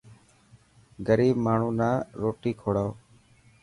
غريب ماڻهون نا روٽي کوڙائون.